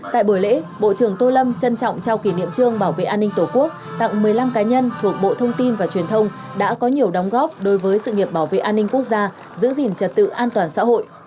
tại buổi lễ bộ trưởng tô lâm trân trọng trao kỷ niệm trương bảo vệ an ninh tổ quốc tặng một mươi năm cá nhân thuộc bộ thông tin và truyền thông đã có nhiều đóng góp đối với sự nghiệp bảo vệ an ninh quốc gia giữ gìn trật tự an toàn xã hội